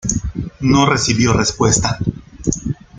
No recibió respuesta.